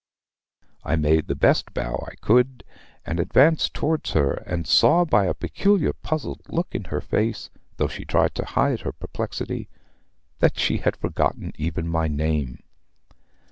I made the best bow I could, and advanced towards her; and saw by a peculiar puzzled look in her face, though she tried to hide her perplexity, that she had forgotten even my name.